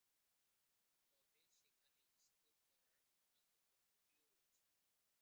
তবে সেখানে স্কোর করার অন্যান্য পদ্ধতিও রয়েছে।